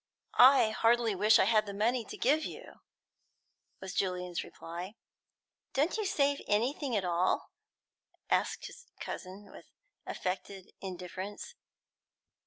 "I heartily wish I had the money to give you," was Julian's reply. "Don't you save anything at all?" asked his cousin, with affected indifference.